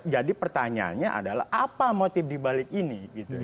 pertanyaannya adalah apa motif dibalik ini